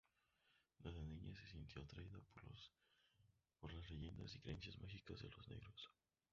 Desde niña se sintió atraída por las leyendas y creencias mágicas de los negros.